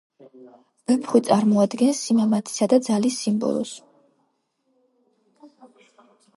ვეფხვი წარმოადგენს სიმამაცისა და ძალის სიმბოლოს.